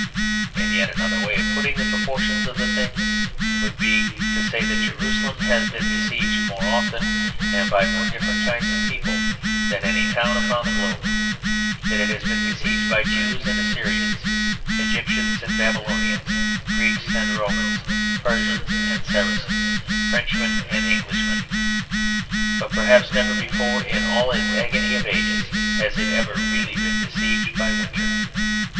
And yet another way of putting the proportions of the thing would be to say that Jerusalem has been besieged more often and by more different kinds of people than any town upon the globe; that it has been besieged by Jews and Assyrians, Egyptians and Babylonians, Greeks and Romans, Persians and Saracens, Frenchmen and Englishmen; but perhaps never before in all its agony of ages has it ever really been besieged by winter.